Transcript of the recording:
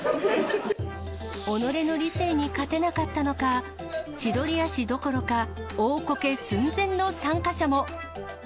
己の理性に勝てなかったのか、千鳥足どころか、大コケ寸前の参加者も。